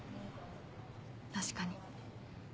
確かに